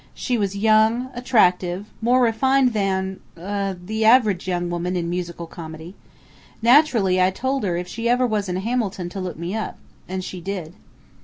She was young, attractive, more refined than er than the average young woman in musical comedy. Naturally I told her if she was ever in Hamilton to look me up. And she did."